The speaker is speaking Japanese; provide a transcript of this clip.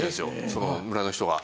その村の人が。